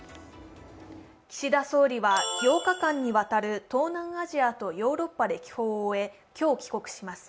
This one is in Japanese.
岸田総理は８日間にわたる東南アジアとヨーロッパ歴訪を終え、今日、帰国します。